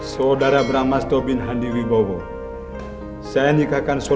selamat malam pak bu